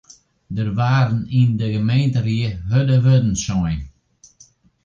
Der waarden yn de gemeenteried hurde wurden sein.